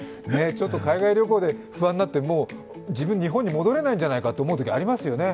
海外旅行で不安になって、自分、日本に戻れないんじゃないかと思うことありますよね。